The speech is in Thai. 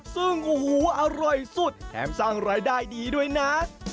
ซึ่งโอ้โหอร่อยสุดแถมสร้างรายได้ดีด้วยนะ